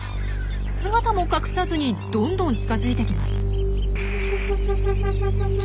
姿も隠さずにどんどん近づいてきます。